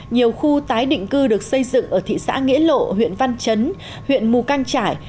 nhiều khu tái định cư được xây dựng ở thị xã nghĩa lộ huyện văn chấn huyện mù căng trải